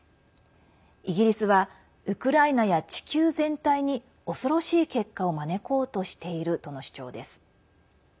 イギリスはウクライナや地球全体に恐ろしい結果を招こうとしているとの主張です。